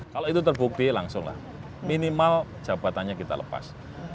kalau itu terbukti langsung lah minimal jabatannya kita lepas